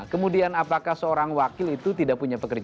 kemudian apakah seorang wakil itu tidak punya pekerjaan